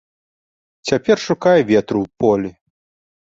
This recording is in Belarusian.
Цяпер шукай ветру ў полі.